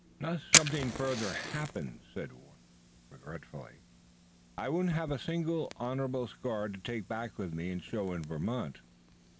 "Unless something further happens," said Warner, regretfully, "I won't have a single honorable scar to take back with me and show in Vermont."